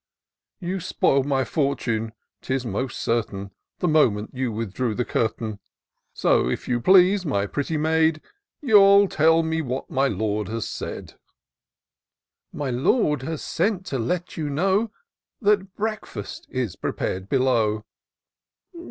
You spoil'd my fortune, 'tis jnaost certain. The moment you withdrew the curtain ; So, if you please, my pretty maid. You'll tell me what my Lord has said." " My Lord has sent to let you know That breakfast is prepared below."